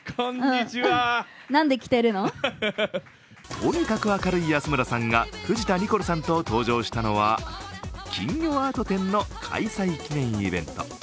とにかく明るい安村さんが藤田ニコルさんと登場したのは金魚アート展の開催記念イベント。